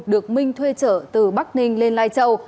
được minh thuê trở từ bắc ninh lên lai châu